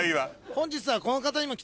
本日は。